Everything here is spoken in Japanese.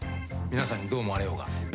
皆さんにどう思われようが。